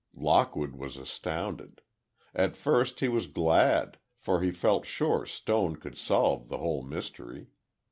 Lockwood was astounded. At first he was glad, for he felt sure Stone could solve the whole mystery.